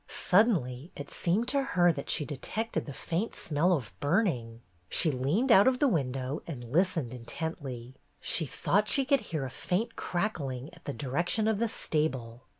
Suddenly it seemed to her that she detected the faint smell of burning. She leaned out of the window and listened intently. She thought she could hear a faint crackling in the direction of the stable.